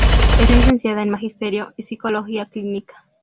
Es Licenciada en Magisterio y Psicología Clínica.